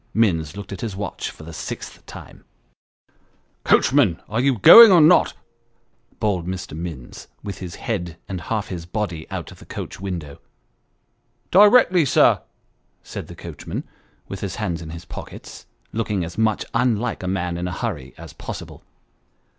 Minns looked at his watch for the sixth time. 238 Sketches by Boz. " Coachman, are you going or not ?" bawled Mr. Minns, with his head and half his body out of the coach window. " Di rectly, sir," said the coachman, with his hands in his pockets, looking as much unlike a man in a hurry as possible.